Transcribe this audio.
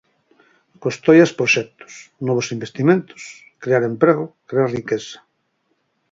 Costoias proxectos, novos investimentos, crear emprego, crear riqueza.